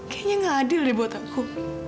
kayaknya gak adil nih buat aku